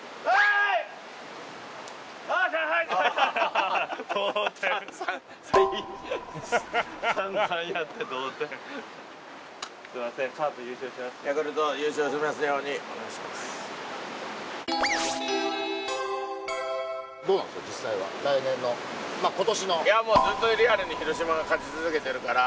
いやもうずっとリアルに広島が勝ち続けてるから。